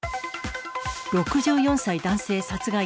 ６４歳男性殺害。